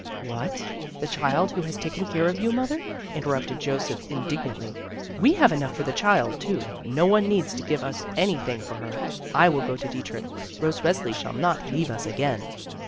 "What? The child who has taken care of you. Mother?" interrupted Joseph, indignantly. "We have enough for the child too, no one needs to give us anything for her. I will go to Die trich. Rose Resli shall not leave us again